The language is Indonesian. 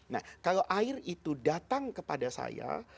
nah kalau air itu datang kepada saya